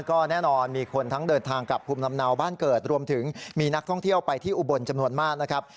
ก็แน่นอนมีคนทั้งเดินทางกับภูมิลำเนาบ้านเกิดรวมถึงมีนักท่องเที่ยวไปที่อุบลจำนวนมากนะครับ